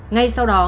ngay sau đó